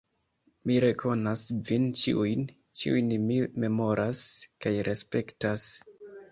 Mi rekonas vin ĉiujn, ĉiujn mi memoras kaj respektas.